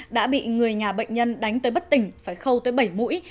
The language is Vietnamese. đã bị người nhà bệnh nhân đánh tới bất tỉnh phải khâu tới bảy mũi